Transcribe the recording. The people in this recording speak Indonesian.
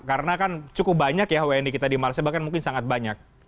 karena kan cukup banyak ya wni kita di malaysia bahkan mungkin sangat banyak